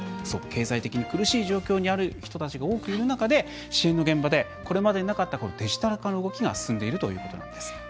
経済的に苦しい状況にある人たちが多くいる中で、支援の現場でこれまでになかったデジタル化の動きが進んでいるということなんです。